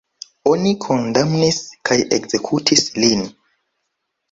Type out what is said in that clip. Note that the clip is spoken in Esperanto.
Oni kondamnis kaj ekzekutis lin.